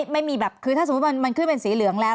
ไม่มีแบบคือถ้าสมมุติมันขึ้นเป็นสีเหลืองแล้ว